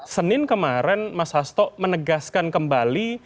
senin kemarin mas hasto menegaskan kembali